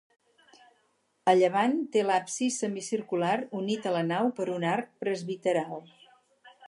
A llevant té l'absis semicircular, unit a la nau per un arc presbiteral.